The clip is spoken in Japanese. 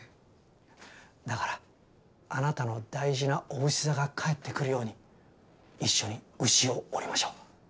だからあなたの大事なおうし座が帰ってくるように一緒にうしを折りましょう！